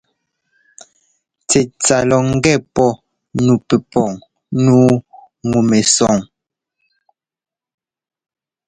Tsɛtsa lɔ ŋgɛ pɔ nu pɛpuŋ nǔu ŋu-mɛsɔŋ.